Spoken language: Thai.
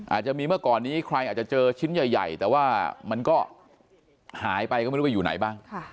อาจจะมีเมื่อก่อนนี้ใครอาจจะเจอชิ้นใหญ่แต่ว่ามันก็หายไปก็ไม่รู้ไปอยู่ไหนบ้าง